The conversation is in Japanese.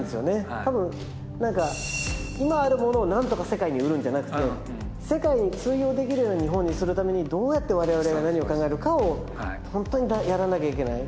多分なんか今あるものを何とか世界に売るんじゃなくて世界に通用できるような日本にするためにどうやって我々が何を考えるかをホントにやらなきゃいけない。